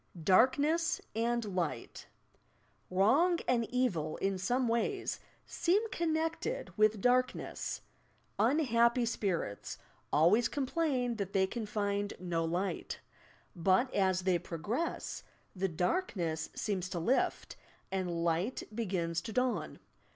DARKNESS AND LIGHT Wrong and evil in some ways seem connected with darkness. "Unhappy spirits" always complain that they can find no "light," but, as they progress, the Darkness seems to lift and Light begins to dawn.